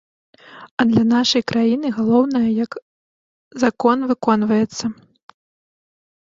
А для нашай краіны галоўнае, як закон выконваецца.